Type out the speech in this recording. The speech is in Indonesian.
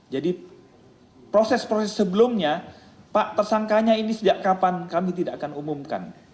jadi proses proses sebelumnya pak tersangkanya ini sejak kapan kami tidak akan umumkan